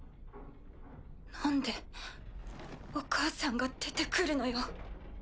なんでお母さんが出てくるのよ？